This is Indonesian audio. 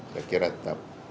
saya kira tetap